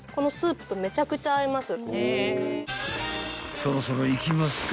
［そろそろいきますか］